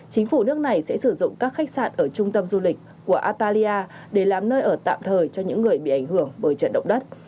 chính phủ nước này sẽ sử dụng các khách sạn ở trung tâm du lịch của italia để làm nơi ở tạm thời cho những người bị ảnh hưởng bởi trận động đất